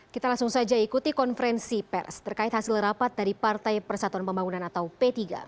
kita langsung saja ikuti konferensi pers terkait hasil rapat dari partai persatuan pembangunan atau p tiga